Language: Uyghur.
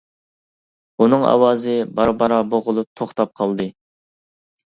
ئۇنىڭ ئاۋازى بارا بارا بوغۇلۇپ توختاپ قالدى.